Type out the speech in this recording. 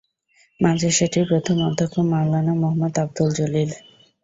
মাদ্রাসাটির প্রথম অধ্যক্ষ মাওলানা মোহাম্মদ আবদুল জলিল।